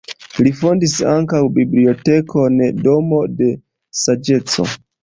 Li fondis ankaŭ bibliotekon Domo de saĝeco.